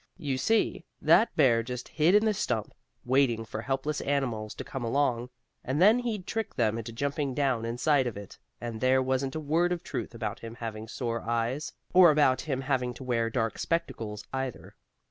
You see, that bear just hid in the stump, waiting for helpless animals to come along, and then he'd trick them into jumping down inside of it, and there wasn't a word of truth about him having sore eyes, or about him having to wear dark spectacles, either.